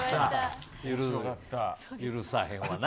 許さへんわな。